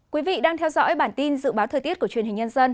quý vị đang theo dõi bản tin dự báo thời tiết của truyền hình nhân dân